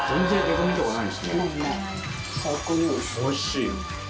おいしい。